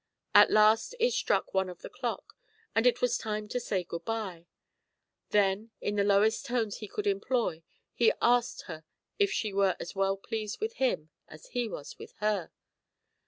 At last it struck one of the clock, and it was time to say good bye. Then, in the lowest tones he could employ, he asked her if she were as well pleased with him as he was with her.